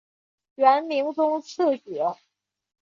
元明宗次子。